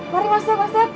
mari masak masak